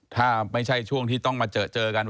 ถ้าไม่ใช่ช่วงที่ต้องมาเจอกัน